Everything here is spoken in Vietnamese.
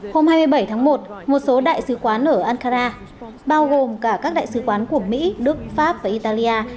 hôm hai mươi bảy tháng một một số đại sứ quán ở ankara bao gồm cả các đại sứ quán của mỹ đức pháp và italia